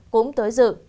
cũng tới dự